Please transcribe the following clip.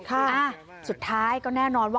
ค่ะสุดท้ายก็แน่นอนว่า